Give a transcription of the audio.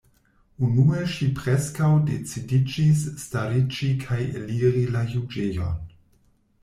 Unue ŝi preskaŭ decidiĝis stariĝi kaj eliri la juĝejon.